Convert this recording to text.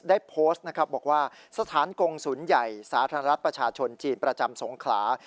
ได้โพสต์นะครับบอกว่าสถานกงศูนย์ใหญ่สาธารณรัฐประชาชนจีนประจำสงขลา